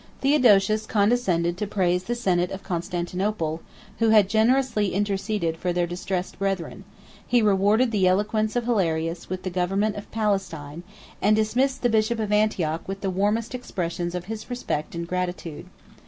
Theodosius condescended to praise the senate of Constantinople, who had generously interceded for their distressed brethren: he rewarded the eloquence of Hilarius with the government of Palestine; and dismissed the bishop of Antioch with the warmest expressions of his respect and gratitude.